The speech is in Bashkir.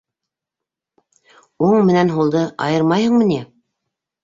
Уң менән һулды айырмайһыңмы ни?